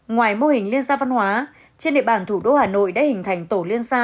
ngoài mô hình liên gia văn hóa trên địa bàn thủ đô hà nội đã hình thành tổ liên gia